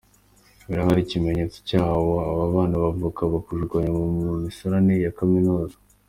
Birahari ikimenyetso cyabyo ni abo bana bavuka bakajugunywa mu misarane ya kaminuza.